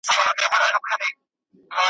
په دامونو کي یې کښېوتل سېلونه `